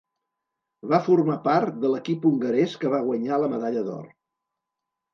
Va formar part de l'equip hongarès que va guanyar la medalla d'or.